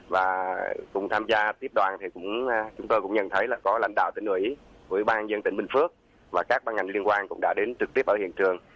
và cùng tham gia tiếp đoàn thì chúng tôi cũng nhận thấy là có lãnh đạo tỉnh ủy ủy ban dân tỉnh bình phước và các ban ngành liên quan cũng đã đến trực tiếp ở hiện trường